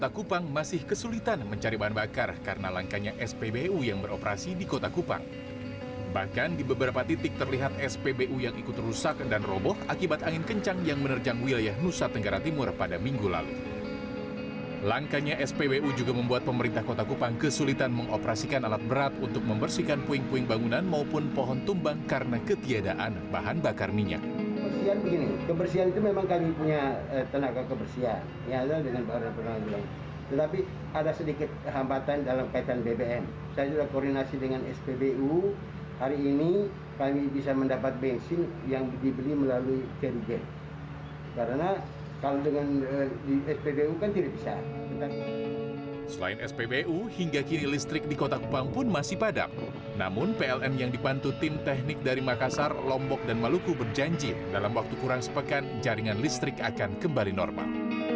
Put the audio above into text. kurang sepekan jaringan listrik akan kembali normal